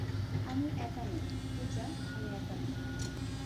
আমি একা নই, পূজা, আমি একা নই।